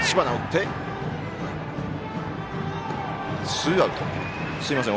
ツーアウト。